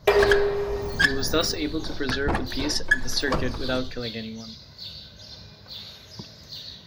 He was thus able to preserve the peace at the circuit without killing anyone.